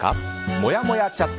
もやもやチャット。